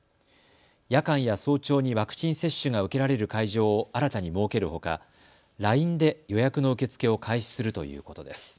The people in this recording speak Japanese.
夜間や早朝にワクチン接種が受けられる会場を新たに設けるほか、ＬＩＮＥで予約の受け付けを開始するということです。